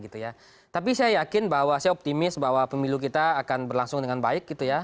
tapi saya yakin bahwa saya optimis bahwa pemilu kita akan berlangsung dengan baik